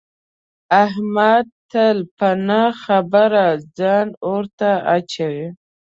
احمد تل په نه خبره ځان اور ته اچوي.